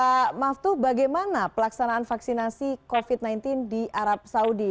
pak maftu bagaimana pelaksanaan vaksinasi covid sembilan belas di arab saudi